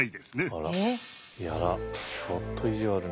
あらちょっと意地悪ね。